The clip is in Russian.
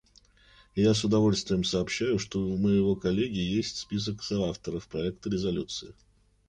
Я с удовольствием сообщаю, что у моего коллеги есть список соавторов проекта резолюции.